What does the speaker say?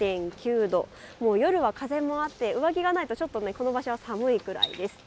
夜は風もあって上着がないとちょっとこの場所は寒いくらいです。